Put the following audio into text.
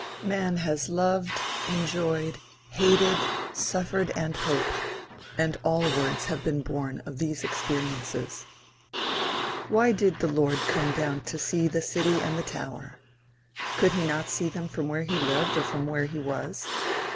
Man has loved, enjoyed, hated, suffered and hoped, and all words have been born of these experiences. Why did "the Lord come down to see the city and the tower?" Could he not see them from where he lived or from where he was?